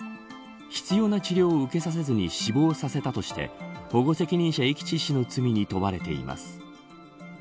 必要な治療を受けさせずに死亡させたとして保護責任者遺棄致死の罪に問われています。